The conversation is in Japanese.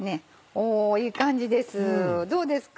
おぉいい感じですどうですか。